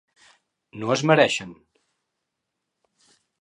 No es mereixen.